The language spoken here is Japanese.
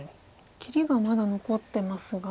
切りがまだ残ってますが。